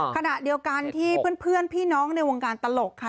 ขณะเดียวกันที่เพื่อนพี่น้องในวงการตลกค่ะ